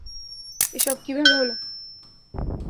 এসব কীভাবে হলো?